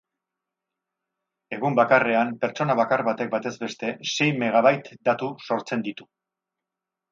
Egun bakarrean, pertsona bakar batek batez beste sei megabyte datu sortzen ditu.